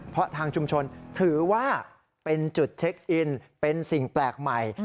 เพราะทางชุมชนถือว่าเป็นจุดเช็คอินเป็นสิ่งแปลกใหม่